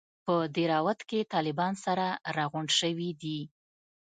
په دهراوت کښې طالبان سره راغونډ سوي دي.